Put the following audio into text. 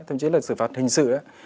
thậm chí là xử phạt hình sự ấy